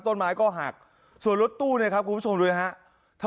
ต้นไม้ก็หักส่วนรถตู้เนี่ยครับคุณผู้ชมดูนะฮะ